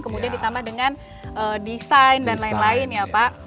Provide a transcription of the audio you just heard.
kemudian ditambah dengan desain dan lain lain ya pak